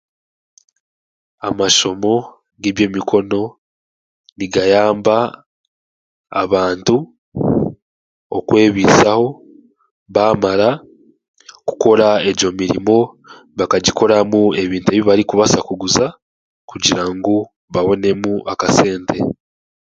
Amashomo g'ebyemikono nigayamba abantu okwebisaho baamara kukora egyo mirimo bakagikoramu ebyo bintu ebi barikubasa kuguza kugira ngu babonemu akasente.